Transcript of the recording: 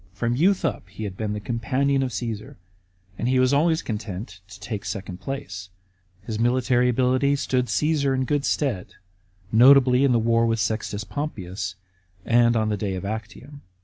From youth up he had been the companion of Caesar, and he was always content to take the second place. His military ability stood Caasar in good stead, notably in the war with Sextus Pompeius, and on the day of Actium.